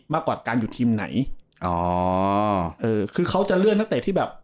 มากกว่าการอยู่ทีมไหนอ๋อเออคือเขาจะเลื่อนนักเตะที่แบบ